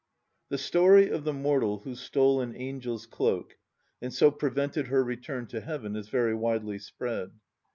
THE story of the mortal who stole an angel's cloak and so prevented her return to heaven is very widely spread.